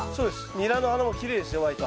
ニラの花もきれいですよ割と。